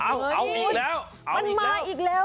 เอาเอาอีกแล้วมันมาอีกแล้ว